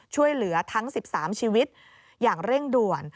ช่วยเหลือทั้ง๑๓ชีวิตอย่างเร่งด่วน